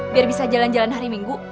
biar bisa jalan jalan hari minggu